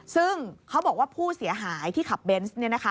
ซึ่งเขาบอกว่าผู้เสียหายที่ขับเบนส์